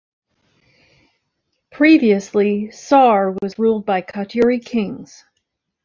Previously, Saur was ruled by Katyuri Kings.